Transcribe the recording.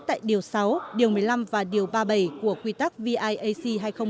tại điều sáu điều một mươi năm và điều ba mươi bảy của quy tắc viac hai nghìn một mươi